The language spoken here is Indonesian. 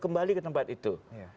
kembali ke tempat itu